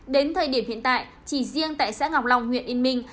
đến thời điểm hiện tại chỉ riêng tại xã ngọc long huyện yên minh